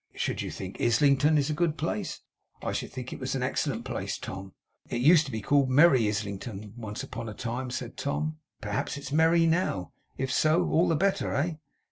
Should you think Islington a good place?' 'I should think it was an excellent place, Tom.' 'It used to be called Merry Islington, once upon a time,' said Tom. 'Perhaps it's merry now; if so, it's all the better. Eh?